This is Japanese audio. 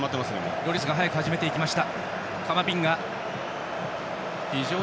ロリスが早く始めていきました。